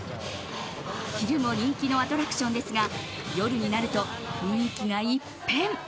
昼も人気のアトラクションですが夜になると雰囲気が一変。